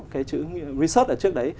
cái chữ research ở trước đấy